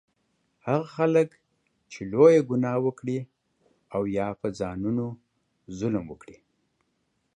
هغه خلک چې لویه ګناه وکړي او یا په ځانونو ظلم وکړي